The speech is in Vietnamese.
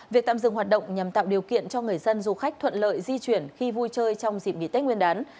việc tạm dừng hoạt động nhằm tạo điều kiện cho người dân du khách thuận lợi di chuyển khi vui chơi trong dịp nghỉ tết nguyên đán